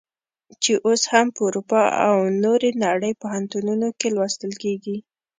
چې اوس هم په اروپا او نورې نړۍ پوهنتونونو کې لوستل کیږي.